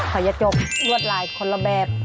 ขยะจกวดลายคนละแบบ